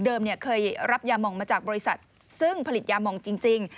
เคยรับยามองมาจากบริษัทซึ่งผลิตยามองจริง